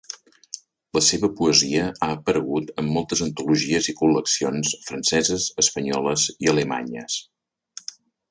La seva poesia ha aparegut en moltes antologies i col·leccions franceses, espanyoles i alemanyes.